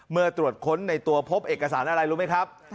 เมื่อตรวจค้นในตัวพบเอกสารอะไรรู้ไหมครับ